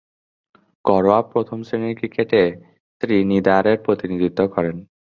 ঘরোয়া প্রথম-শ্রেণীর ক্রিকেটে ত্রিনিদাদের প্রতিনিধিত্ব করেন।